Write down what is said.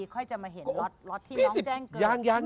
ค่อยจะมาเห็นล็อตที่น้องแจ้งเกิด